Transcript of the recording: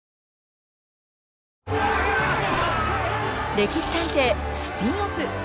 「歴史探偵」スピンオフ。